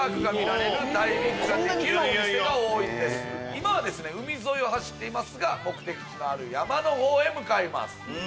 今は海沿いを走っていますが目的地の山の方へ向かいます。